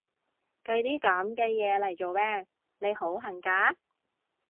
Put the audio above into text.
計啲噉嘅嘢嚟做咩？，你好恨嫁？